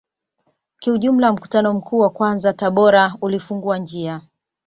Kiujumla mkutano mkuu wa kwanza Tabora ulifungua njia